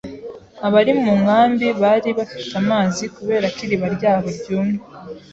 Abari mu nkambi bari bafite amazi kubera ko iriba ryabo ryumye.